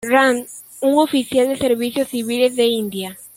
Rand, un oficial de Servicios Civiles de India.